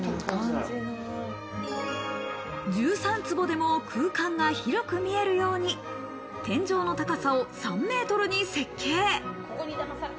１３坪でも空間が広く見えるように、天井の高さを３メートルに設計。